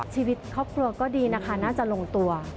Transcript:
ชีวิตครอบครัวก็ดีนะคะน่าจะลงตัว